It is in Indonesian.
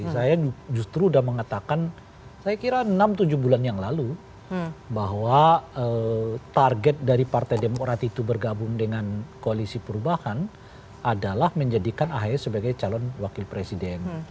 saya justru sudah mengatakan saya kira enam tujuh bulan yang lalu bahwa target dari partai demokrat itu bergabung dengan koalisi perubahan adalah menjadikan ahy sebagai calon wakil presiden